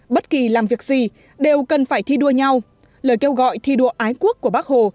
bất kỳ làm việc gì đều cần phải thi đua nhau lời kêu gọi thi đua ái quốc của bác hồ